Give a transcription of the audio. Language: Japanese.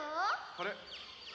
あれ？